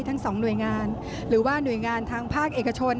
ทั้งสองหน่วยงานหรือว่าหน่วยงานทางภาคเอกชน